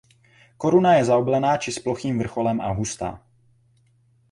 Koruna je zaoblená či s plochým vrcholem a hustá.